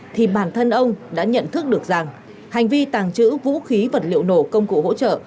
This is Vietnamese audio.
thì bản thân ông đã nhận thức được rằng hành vi tàng trữ vũ khí vật liệu nổ công cụ hỗ trợ